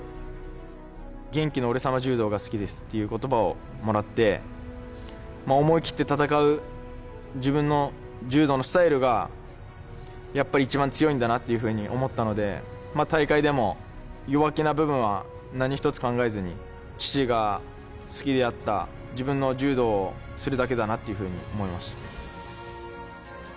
げんきのオレ様柔道が好きですっていうことばをもらって、思い切って戦う、自分の柔道のスタイルがやっぱり一番強いんだなというふうに思ったので、大会でも弱気な部分は何一つ考えずに、父が好きであった、自分の柔道をするだけだなっていうふうに思いました。